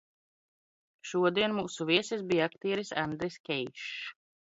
Šodien mūsu viesis bija aktieris Andris Keišs.